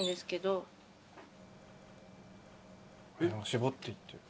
・絞っていってる。